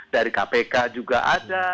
dari kpk juga ada